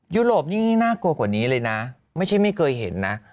ยุโรปยิ่งน่ากลัวกว่านี้เลยนะไม่ใช่ไม่เคยเห็นนะ